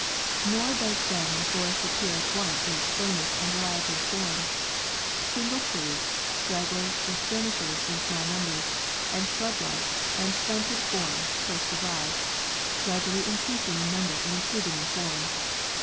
Nor does then the forest appear at once in its fullness and variety of form. Single trees, stragglers or skirmishers in small numbers, and shrub like and stunted forms first arrive, gradually increasing in number and improving in form.